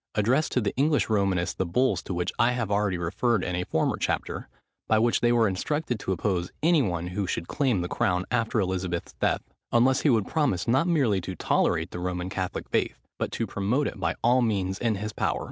addressed to the English Romanists the bulls to which I have already referred in a former chapter; by which they were instructed to oppose any one who should claim the crown after Elizabeth's death, unless he would promise not merely to tolerate the Roman Catholic faith, but to promote it by all means in his power.